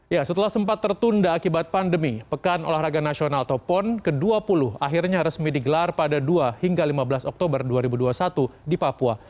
ya setelah sempat tertunda akibat pandemi pekan olahraga nasional atau pon ke dua puluh akhirnya resmi digelar pada dua hingga lima belas oktober dua ribu dua puluh satu di papua